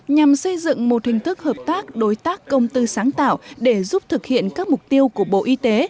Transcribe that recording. nhằm xây dựng một hình thức hợp tác đối tác công tư sáng tạo để giúp thực hiện các mục tiêu của bộ y tế